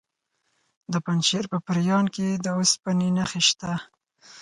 د پنجشیر په پریان کې د اوسپنې نښې شته.